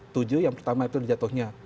tuju yang pertama itu dijatuhnya